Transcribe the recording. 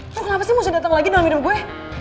ini kenapa sih misalnya datang lagi di dalam hidup gue